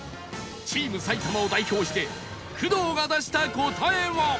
チーム埼玉を代表して工藤が出した答えは？